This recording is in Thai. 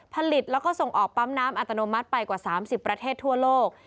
ผลิตแล้วก็ส่งออกปั๊มน้ำอัตโนมัติไปกว่า๓๐ประเทศทั่วโลก